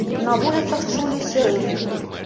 На вуліцах чулі сірэны.